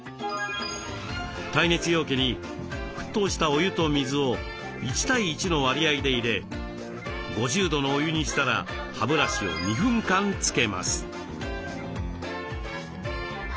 耐熱容器に沸騰したお湯と水を１対１の割合で入れ５０度のお湯にしたら歯ブラシを２分間つけます。